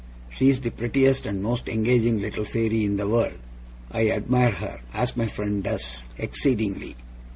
She is the prettiest and most engaging little fairy in the world. I admire her as my friend does exceedingly.